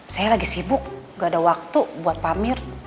saya lagi sibuk gak ada waktu buat pamer